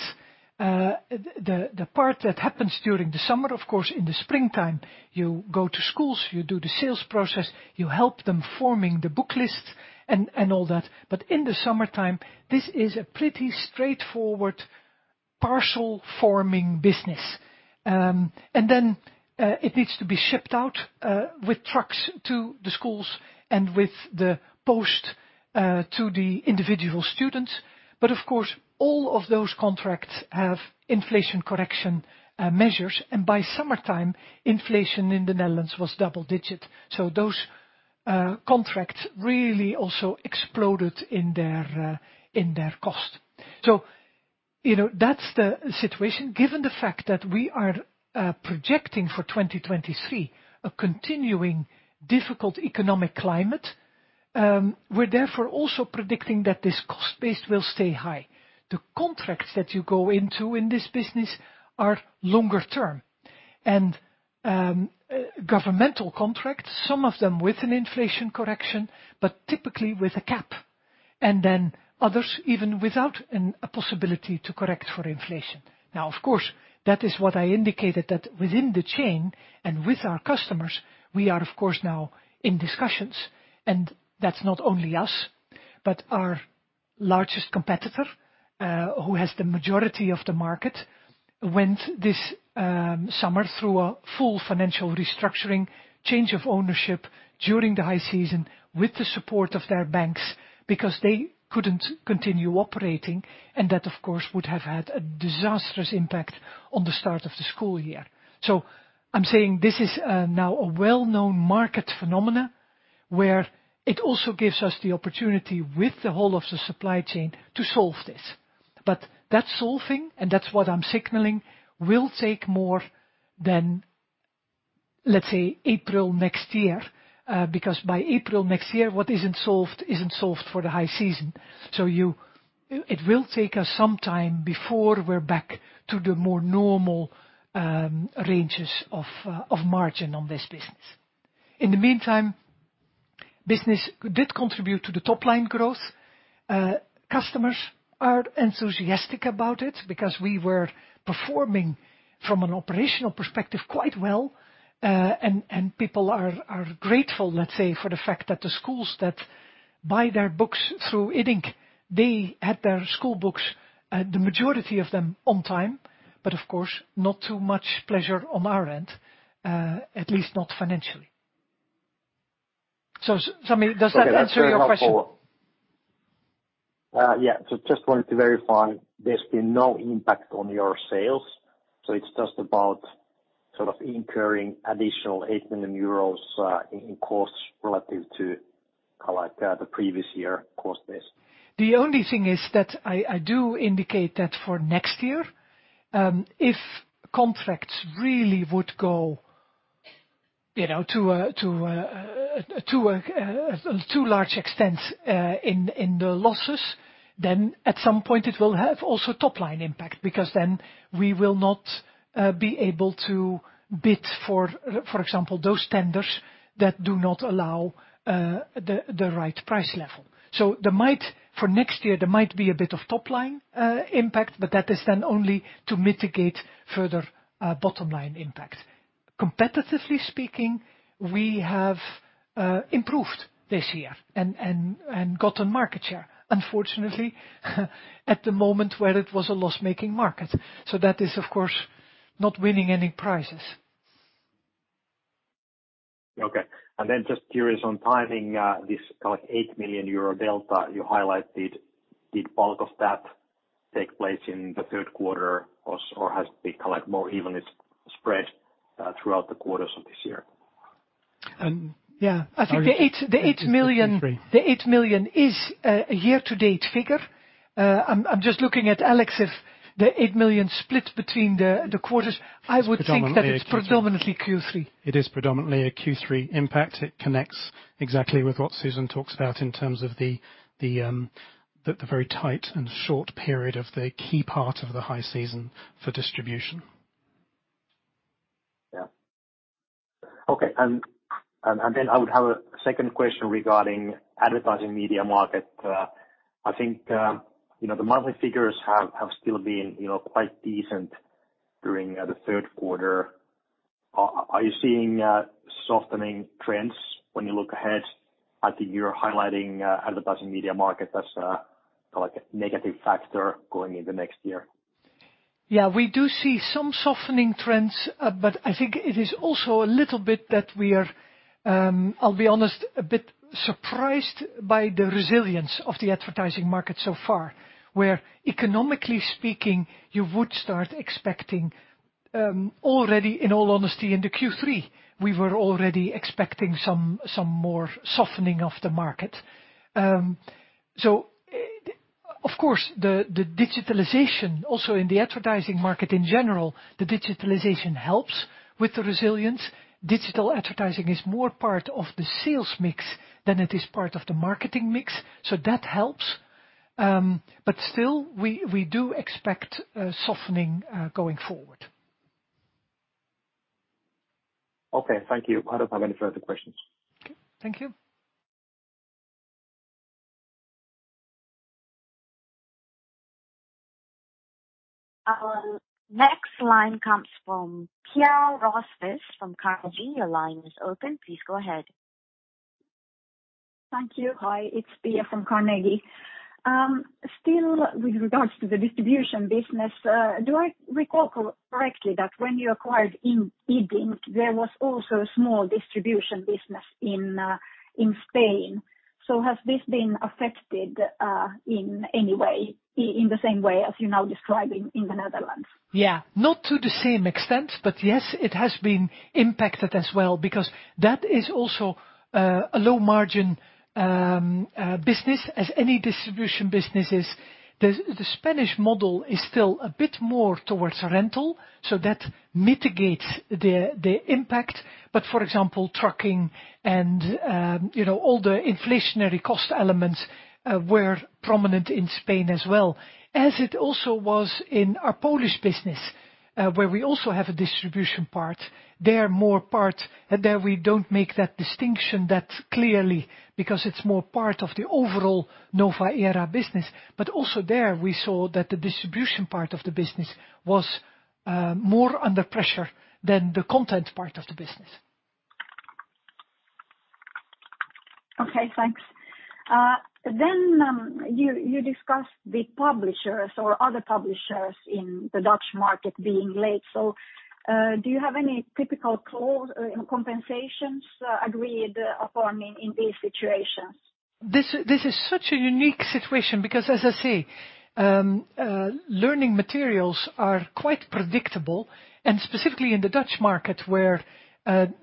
The part that happens during the summer, of course in the springtime, you go to schools you do the sales process you help them forming the book lists and all that. In the summertime, this is a pretty straightforward parcel-forming business. It needs to be shipped out with trucks to the schools and with the post to the individual students. Of course all of those contracts have inflation correction measures. By summertime, inflation in the Netherlands was double digit. Those contracts really also exploded in their cost. You know, that's the situation. Given the fact that we are projecting for 2023 a continuing difficult economic climate, we're therefore also predicting that this cost base will stay high. The contracts that you go into in this business are longer term. Governmental contracts, some of them with an inflation correction, but typically with a cap, and then others even without a possibility to correct for inflation. Now of course that is what I indicated, that within the chain and with our customers, we are of course now in discussions. That's not only us, but our largest competitor, who has the majority of the market, went this summer through a full financial restructuring change of ownership during the high season with the support of their banks because they couldn't continue operating. That, of course would have had a disastrous impact on the start of the school year. I'm saying this is now a well-known market phenomenon where it also gives us the opportunity with the whole of the supply chain to solve this. That solving, and that's what I'm signaling, will take more than, let's say, April next year, because by April next year, what isn't solved isn't solved for the high season. It will take us some time before we're back to the more normal ranges of margin on this business. In the meantime, business did contribute to the top line growth. Customers are enthusiastic about it because we were performing from an operational perspective quite well. People are grateful, let's say for the fact that the schools that buy their books through Iddink, they had their school books, the majority of them on time, but of course not too much pleasure on our end, at least not financially. Sami, does that answer your question? Just wanted to verify, there's been no impact on your sales, so it's just about sort of incurring additional 8 million euros in costs relative to, kinda like, the previous year cost base. The only thing is that I do indicate that for next year, if contracts really would go, you know, to a large extent in the losses, then at some point it will have also top line impact. Because then we will not be able to bid for example for those tenders that do not allow the right price level. So for next year there might be a bit of top line impact, but that is then only to mitigate further bottom line impact. Competitively speaking, we have improved this year and gotten market share. Unfortunately, at the moment it was a loss-making market. That is, of course, not winning any prizes. Just curious on timing. This kind of 8 million euro delta you highlighted, did bulk of that take place in the third quarter or has it been kind of like more evenly spread throughout the quarters of this year? Yeah. I think the 8 million is a year-to-date figure. I'm just looking at Alex if the 8 million split between the quarters. I would think that. It's predominantly Q3. It's predominantly Q3. It is predominantly a Q3 impact. It connects exactly with what Susan talks about in terms of the very tight and short period of the key part of the high season for distribution. Yeah. Okay. I would have a second question regarding advertising media market. I think, you know, the monthly figures have still been, you know quite decent during the third quarter. Are you seeing softening trends when you look ahead at the year highlighting advertising media market as kind of like a negative factor going into next year? Yeah. We do see some softening trends, but I think it is also a little bit that we are, I'll be honest, a bit surprised by the resilience of the advertising market so far. Where economically speaking, you would start expecting, already in all honesty in the Q3, we were already expecting some more softening of the market. So of course the digitalization also in the advertising market in general, the digitalization helps with the resilience. Digital advertising is more part of the sales mix than it is part of the marketing mix, so that helps. But still we do expect a softening going forward. Okay, thank you. I don't have any further questions. Okay. Thank you. Our next line comes from Pia Rosqvist-Heinsalmi from Carnegie. Your line is open. Please go ahead. Thank you. Hi it's Pia from Carnegie. Still with regards to the distribution business, do I recall correctly that when you acquired Iddink, there was also a small distribution business in Spain? Has this been affected in any way in the same way as you're now describing in the Netherlands? Yeah. Not to the same extent. Yes it has been impacted as well because that is also a low margin business as any distribution business is. The Spanish model is still a bit more towards rental, so that mitigates the impact. For example trucking and you know all the inflationary cost elements were prominent in Spain as well. As it also was in our Polish business, where we also have a distribution part. There we don't make that distinction that clearly because it's more part of the overall Nowa Era business. Also there we saw that the distribution part of the business was more under pressure than the content part of the business. Okay, thanks. You discussed the publishers or other publishers in the Dutch market being late. Do you have any typical clause, compensations, agreed upon in these situations? This is such a unique situation because as I say, learning materials are quite predictable, and specifically in the Dutch market where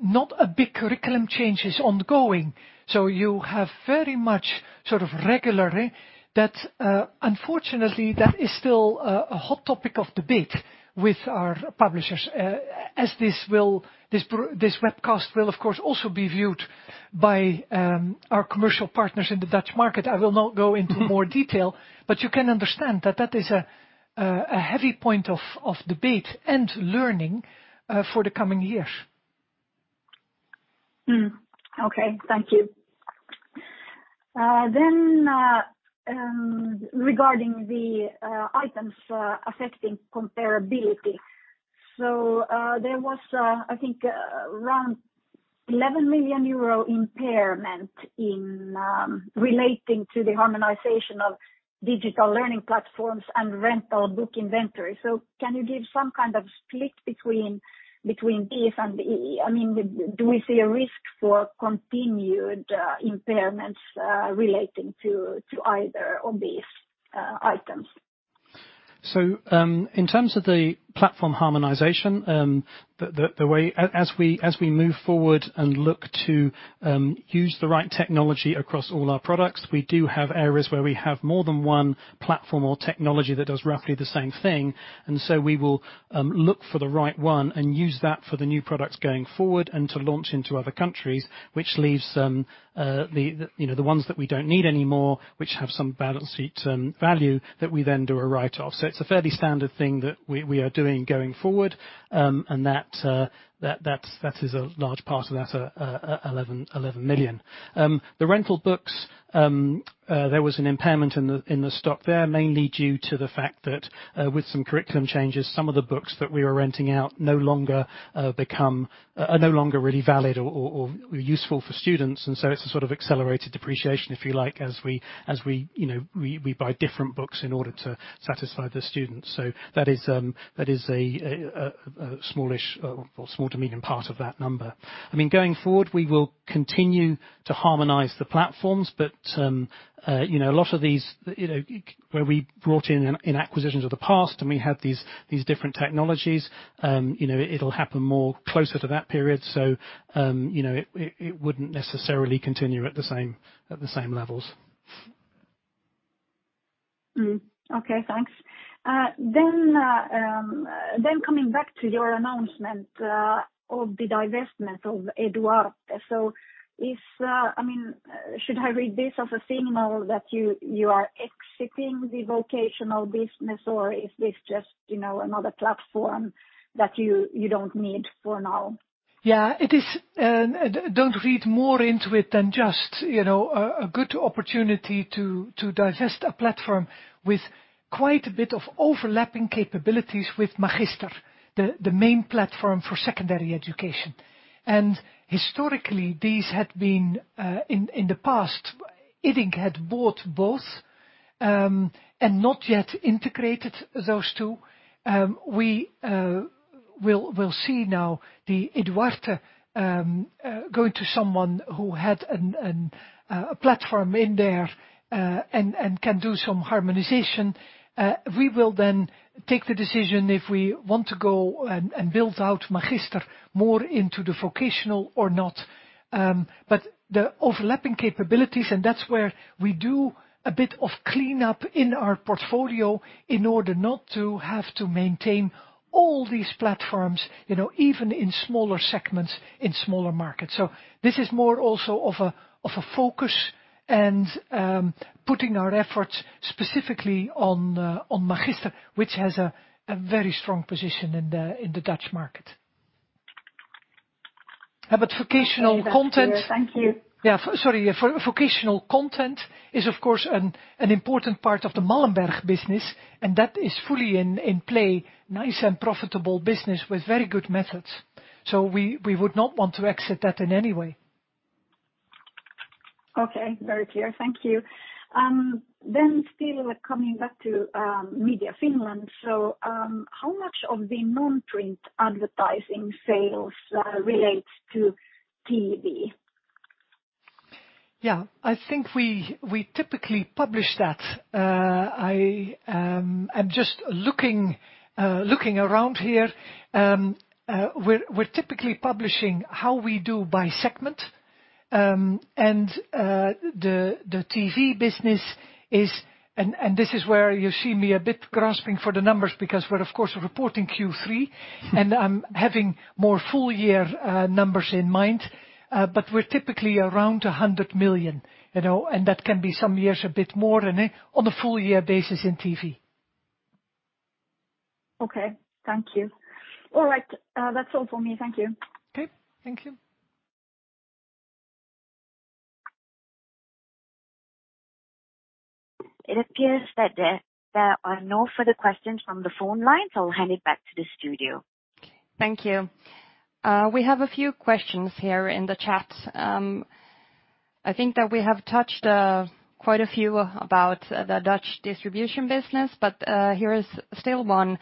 not a big curriculum change is ongoing. You have very much sort of regularly that, unfortunately that is still a hot topic of debate with our publishers. As this webcast will of course also be viewed by our commercial partners in the Dutch market. I will not go into more detail. You can understand that is a heavy point of debate and learning for the coming years. Thank you. Then, regarding the items affecting comparability. There was, I think, around 11 million euro impairment relating to the harmonization of digital learning platforms and rental book inventory. Can you give some kind of split between this and E? I mean, do we see a risk for continued impairments relating to either of these items? In terms of the platform harmonization, the way as we move forward and look to use the right technology across all our products, we do have areas where we have more than one platform or technology that does roughly the same thing. We will look for the right one and use that for the new products going forward and to launch into other countries. Which leaves, you know, the ones that we don't need anymore, which have some balance sheet value that we then do a write-off. It's a fairly standard thing that we are doing going forward. That is a large part of that 11 million. The rental books, there was an impairment in the stock there, mainly due to the fact that, with some curriculum changes, some of the books that we were renting out no longer are no longer really valid or useful for students. It's a sort of accelerated depreciation, if you like, as we you know we buy different books in order to satisfy the students. That is a smallish or small to medium part of that number. I mean, going forward, we will continue to harmonize the platforms. You know, a lot of these you know where we brought in acquisitions of the past, and we had these different technologies you know, it'll happen more closer to that period. You know, it wouldn't necessarily continue at the same levels. Okay, thanks. Coming back to your announcement of the divestment of Eduarte. I mean, should I read this as a signal that you are exiting the vocational business? Or is this just, you know, another platform that you don't need for now? Yeah it is Don't read more into it than just, you know a good opportunity to divest a platform with quite a bit of overlapping capabilities with Magister the main platform for secondary education. Historically, these had been in the past, Iddink had bought both and not yet integrated those two. We will see now the Eduarte going to someone who had a platform in there and can do some harmonization. We will then take the decision if we want to go and build out Magister more into the vocational or not. The overlapping capabilities, and that's where we do a bit of cleanup in our portfolio in order not to have to maintain all these platforms, you know, even in smaller segments, in smaller markets. This is more also of a focus and putting our efforts specifically on Magister, which has a very strong position in the Dutch market. Vocational content. Thank you. Yeah Sorry. Vocational content is of course an important part of the Malmberg business, and that is fully in play. Nice and profitable business with very good methods. We would not want to exit that in any way. Okay very clear Thank you. Still coming back to Media Finland. How much of the non-print advertising sales relates to TV? Yeah. I think we typically publish that. I am just looking around here. We're typically publishing how we do by segment. The TV business is this is where you see me a bit grasping for the numbers, because we're of course reporting Q3, and I'm having more full year numbers in mind. We're typically around 100 million, you know, and that can be some years a bit more on a full year basis in TV. Okay thank you All right that's all for me. Thank you. Okay, thank you. It appears that there are no further questions from the phone lines, so I'll hand it back to the studio. Thank you. We have a few questions here in the chat. I think that we have touched quite a few about the Dutch distribution business, but here is still one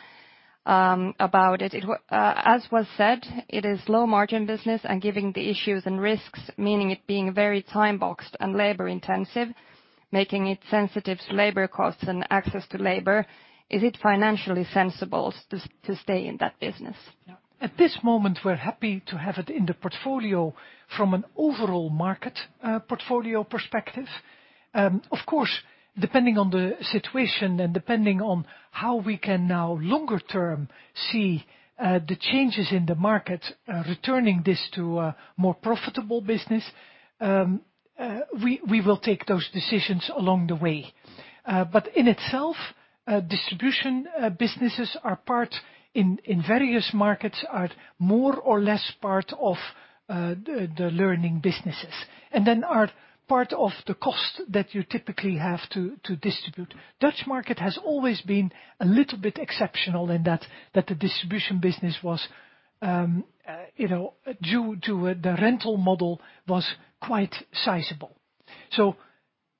about it. As was said it is low-margin business and given the issues and risks, meaning it being very time-boxed and labor intensive, making it sensitive to labor costs and access to labor. Is it financially sensible to stay in that business? Yeah. At this moment we're happy to have it in the portfolio from an overall market, portfolio perspective. Of course depending on the situation and depending on how we can now longer term see, the changes in the market, returning this to a more profitable business, we will take those decisions along the way. In itself, distribution businesses are part in various markets are more or less part of the learning businesses. Are part of the cost that you typically have to distribute. Dutch market has always been a little bit exceptional in that the distribution business was, you know, due to the rental model, quite sizable.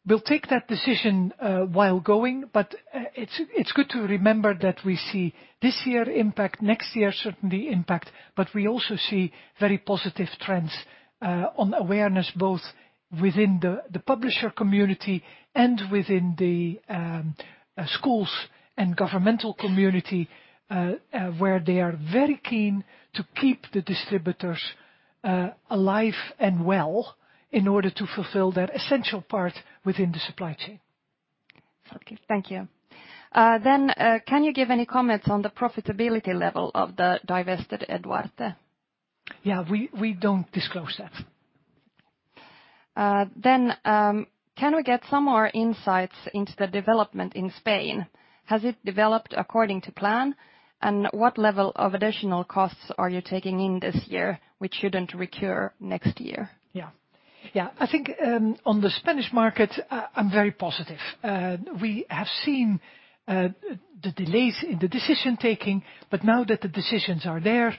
We'll take that decision while going, but it's good to remember that we see this year impact, next year certainly impact, but we also see very positive trends on awareness both within the publisher community and within the schools and governmental community, where they are very keen to keep the distributors alive and well in order to fulfill their essential part within the supply chain. Okay, thank you. Can you give any comments on the profitability level of the divested Eduarte? Yeah. We don't disclose that. Can we get some more insights into the development in Spain? Has it developed according to plan? What level of additional costs are you taking in this year which shouldn't recur next year? Yeah. Yeah. I think on the Spanish market, I'm very positive. We have seen the delays in the decision-making, but now that the decisions are there,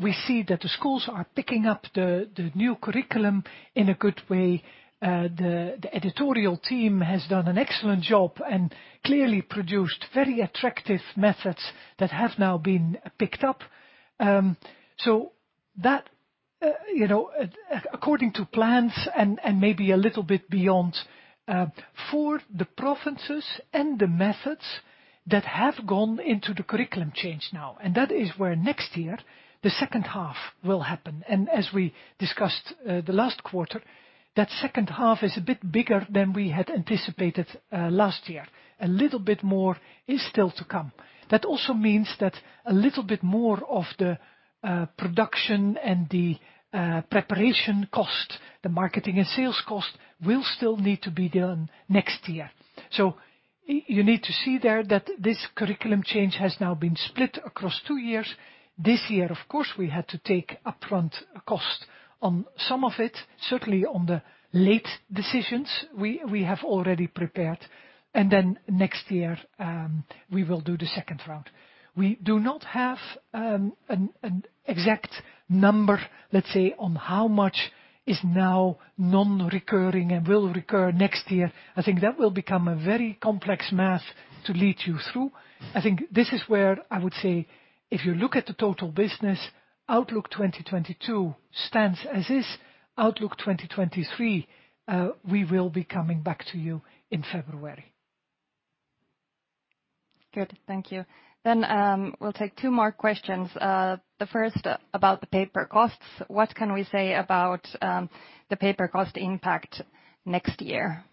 we see that the schools are picking up the new curriculum in a good way. The editorial team has done an excellent job and clearly produced very attractive methods that have now been picked up. So that, you know, according to plans and maybe a little bit beyond, for the provinces and the methods that have gone into the curriculum change now. That is where next year the second half will happen. As we discussed, the last quarter, that second half is a bit bigger than we had anticipated, last year. A little bit more is still to come. That also means that a little bit more of the production and the preparation cost, the marketing and sales cost will still need to be done next year. You need to see there that this curriculum change has now been split across two years. This year of course we had to take upfront cost on some of it. Certainly on the late decisions, we have already prepared. Next year, we will do the second round. We do not have an exact number let's say on how much is now non-recurring and will recur next year. I think that will become a very complex math to lead you through. I think this is where I would say if you look at the total business, outlook 2022 stands as is. Outlook 2023, we will be coming back to you in February. Good. Thank you. We'll take two more questions. The first about the paper costs. What can we say about the paper cost impact next year?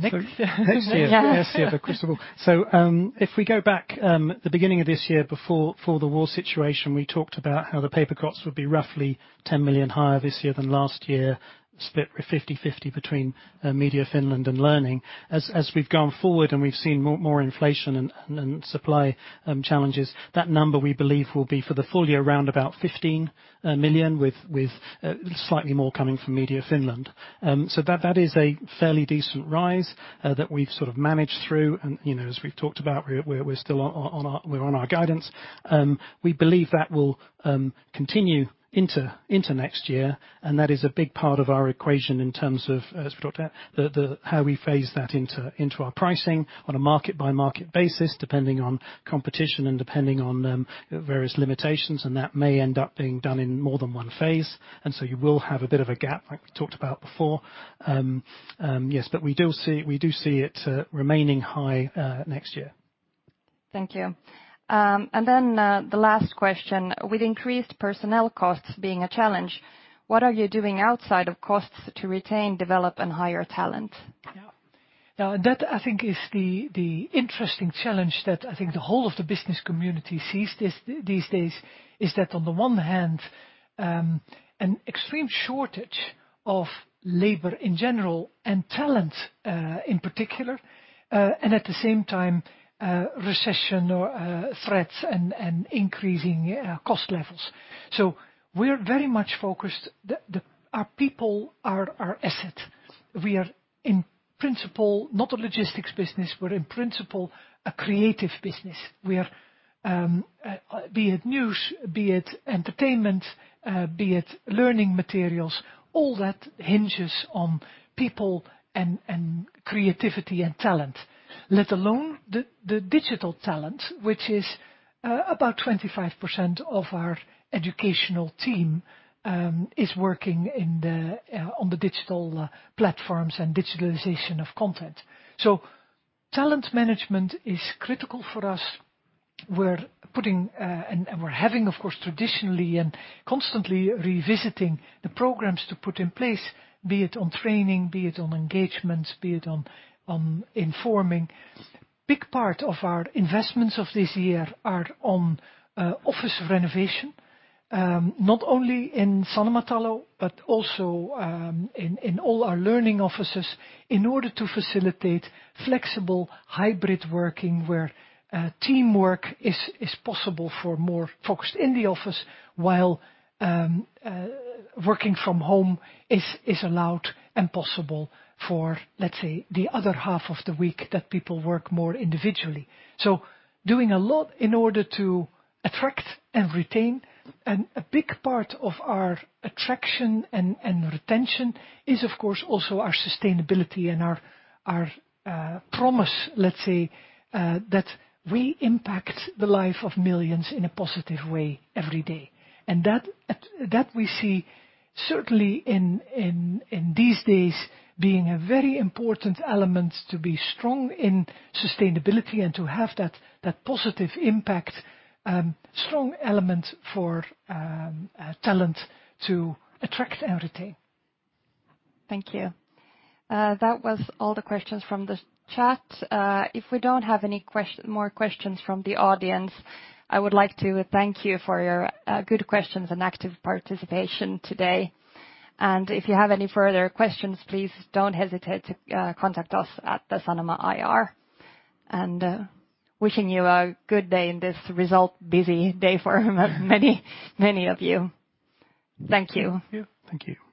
Next Next year. Yeah. Next year, first of all. If we go back at the beginning of this year before the war situation, we talked about how the paper costs would be roughly 10 million higher this year than last year, split 50/50 between Media Finland and Learning. As we've gone forward and we've seen more inflation and supply challenges that number we believe will be for the full year around about 15 million, with slightly more coming from Media Finland. So that is a fairly decent rise that we've sort of managed through. You know as we've talked about we're still on our guidance. We believe that will continue into next year, and that is a big part of our equation in terms of as we talked about, how we phase that into our pricing on a market-by-market basis depending on competition and depending on various limitations. That may end up being done in more than one phase. You will have a bit of a gap, like we talked about before. Yes, but we do see it remaining high next year. Thank you. The last question. With increased personnel costs being a challenge what are you doing outside of costs to retain develop, and hire talent? Yeah. Now that I think is the interesting challenge that I think the whole of the business community sees this these days, is that on the one hand an extreme shortage of labor in general and talent in particular, and at the same time recession or threats and increasing cost levels. We're very much focused. Our people are our asset. We are in principle not a logistics business. We're in principle a creative business. We are be it news be it entertainment be it learning materials all that hinges on people and creativity and talent. Let alone the digital talent which is about 25% of our educational team is working on the digital platforms and digitalization of content. Talent management is critical for us. We're having of course traditionally and constantly revisiting the programs to put in place be it on training be it on engagement be it on informing. Big part of our investments of this year are on office renovation, not only in Sanomatalo, but also in all our learning offices, in order to facilitate flexible hybrid working, where teamwork is possible for more focused in the office while working from home is allowed and possible for let's say the other half of the week that people work more individually. Doing a lot in order to attract and retain. A big part of our attraction and retention is of course also our sustainability and our promise let's say that we impact the life of millions in a positive way every day. That we see certainly in these days being a very important element to be strong in sustainability and to have that positive impact, strong element for talent to attract and retain. Thank you. That was all the questions from the chat. If we don't have any more questions from the audience, I would like to thank you for your good questions and active participation today. If you have any further questions, please don't hesitate to contact us at Sanoma IR. Wishing you a good day in this result busy day for many many of you. Thank you. Yeah. Thank you.